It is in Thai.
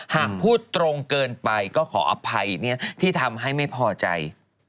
หากพูดตรงเกินไปก็ขออภัยที่ทำให้ไม่พอใจ